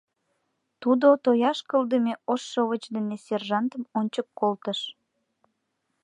Тудо тояш кылдыме ош шовыч дене сержантым ончык колтыш.